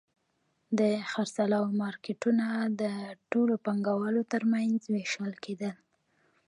د خرڅلاو مارکېټونه د ټولو پانګوالو ترمنځ وېشل کېدل